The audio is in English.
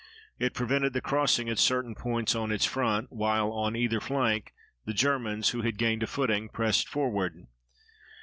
It prevented the crossing at certain points on its front while, on either flank, the Germans, who had gained a footing, pressed forward.